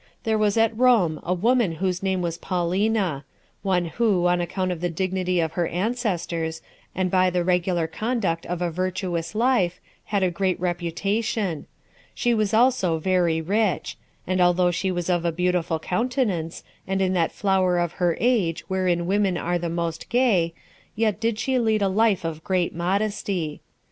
There was at Rome a woman whose name was Paulina; one who, on account of the dignity of her ancestors, and by the regular conduct of a virtuous life, had a great reputation: she was also very rich; and although she was of a beautiful countenance, and in that flower of her age wherein women are the most gay, yet did she lead a life of great modesty.